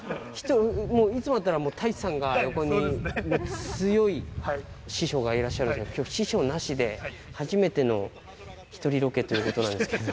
いつもだったら太一さんが横に、強い師匠がいらっしゃるんで、きょう、師匠なしで、初めての１人ロケということなんですけど。